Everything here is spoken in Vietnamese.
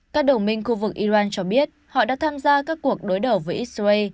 các đồng minh khu vực iran cho biết họ đã tham gia các cuộc đối đầu với israel